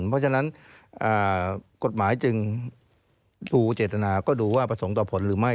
เพราะฉะนั้นกฎหมายจึงดูเจตนาก็ดูว่าประสงค์ต่อผลหรือไม่